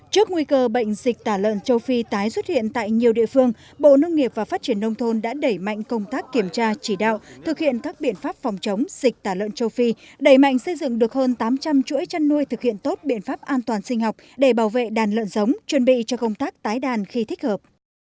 trước nguy cơ bệnh chủ yếu xuất hiện tại nhiều địa phương bộ nông nghiệp và phát triển nông thôn đã đẩy mạnh công tác kiểm tra chỉ đạo thực hiện các biện pháp an toàn sinh học để bảo vệ đàn lợn giống chuẩn bị cho công tác tái đàn khi thích hợp